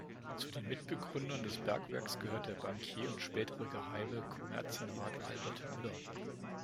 Zu den Mitbegründern des Bergwerks gehört der Bankier und spätere Geheime Kommerzienrat Albert Müller.